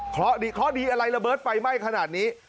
เคราะห์ดีอะไรระเบิดไฟไหม้ขนาดนี้